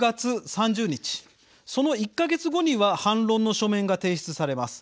その１か月後には反論の書面が提出されます。